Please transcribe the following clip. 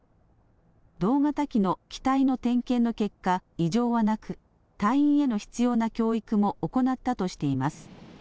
同型機の機体の点検の結果、異常はなく隊員への必要な教育も行ったとしています。